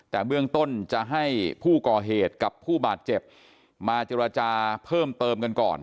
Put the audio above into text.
แต่เบื้องต้นจะให้ผู้ก่อเหตุกับผู้บาดเจ็บมาเจรจาเพิ่มเติมกันก่อน